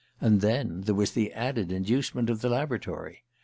And then there was the added inducement of the Laboratory!